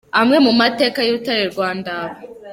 Amwe mu mateka y’urutare rwa Ndaba